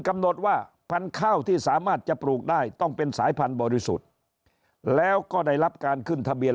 กำหนดว่าพันธุ์ข้าวที่สามารถจะปลูกได้ต้องเป็นสายพันธุ์บริสุทธิ์แล้วก็ได้รับการขึ้นทะเบียน